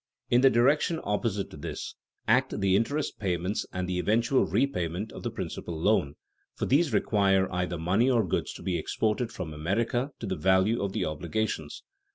In the direction opposite to this, act the interest payments and the eventual repayment of the principal loan, for these require either money or goods to be exported from America to the value of the obligations.